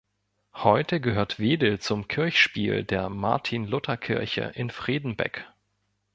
Heute gehört Wedel zum Kirchspiel der Martin-Luther-Kirche in Fredenbeck.